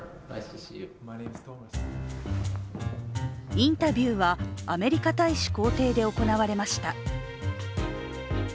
インタビューは、アメリカ大使公邸で行われました。